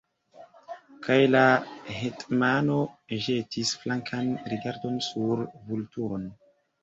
Kaj la hetmano ĵetis flankan rigardon sur Vulturon.